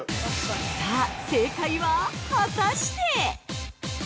◆さあ、正解は、果たして？